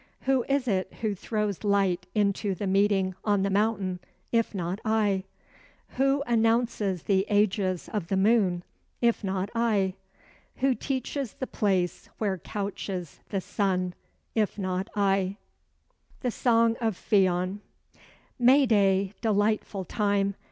Who is it who throws light into the meeting on the mountain [if not I]? Who announces the ages of the moon [if not I]? Who teaches the place where couches the sun [if not I]? THE SONG OF FIONN May day, delightful time!